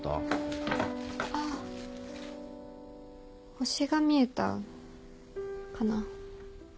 星が見えたかな。